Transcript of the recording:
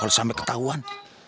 kalau sampai ketahuan